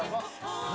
何？